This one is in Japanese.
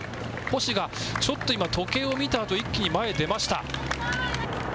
星がちょっと今、時計を見たあと一気に前に出ました。